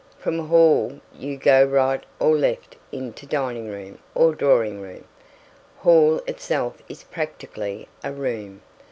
From hall you go right or left into dining room or drawing room. Hall itself is practically a room.